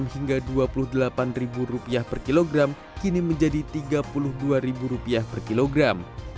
enam hingga rp dua puluh delapan per kilogram kini menjadi rp tiga puluh dua per kilogram